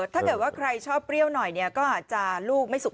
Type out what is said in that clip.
ถ้าใครจะแก่ลูกสุดท้าย